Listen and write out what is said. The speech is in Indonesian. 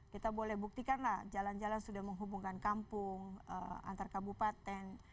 kita boleh buktikan lah jalan jalan sudah menghubungkan kampung antar kabupaten